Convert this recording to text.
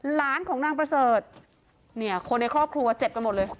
หลานของนางประเสริฐเนี่ยคนในครอบครัวเจ็บกันหมดเลย